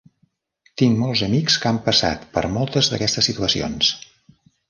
Tinc molts amics que han passat per moltes d'aquestes situacions.